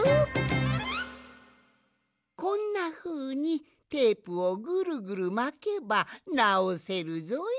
こんなふうにテープをぐるぐるまけばなおせるぞい。